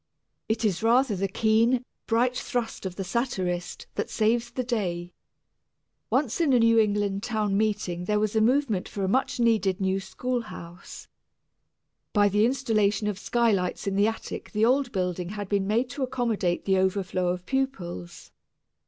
It is rather the keen, bright thrust of the satirist that saves the day. Once in a New England town meeting there was a movement for a much needed new schoolhouse. By the installation of skylights in the attic the old building had been made to accommodate the overflow of pupils.